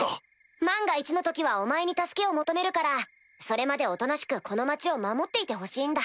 万が一の時はお前に助けを求めるからそれまでおとなしくこの町を守っていてほしいんだ。